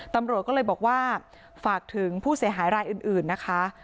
ตำรวจก็เลยบอกว่าฝากถึงผู้เสียหายรายอื่นนะคะ